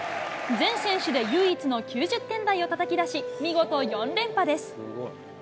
全選手で唯一の９０点台をたたき出し、見事４連覇です。